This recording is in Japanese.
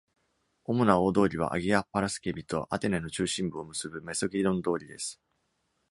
主な大通りはアギア・パラスケビとアテネの中心部を結ぶメソギオン通りです。